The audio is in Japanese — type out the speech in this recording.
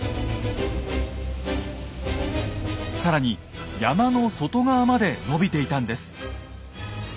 更に山の外側までのびていたんです。